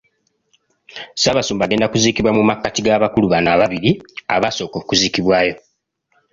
Ssaabasumba agenda kuziikibwa mu makkati g’abakulu bano ababiri abaasooka okuziikibwayo.